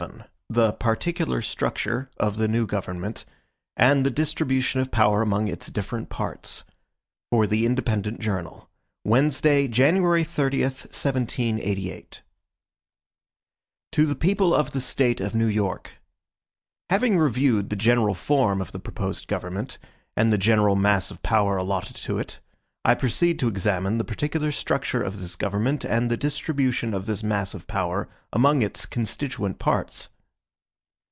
47 The Particular Structure of the New Government and the Distribution of Power Among Its Different Parts. For the Independent Journal. Wednesday, January 30, 1788. MADISON To the People of the State of New York: HAVING reviewed the general form of the proposed government and the general mass of power allotted to it, I proceed to examine the particular structure of this government, and the distribution of this mass of power among its constituent parts.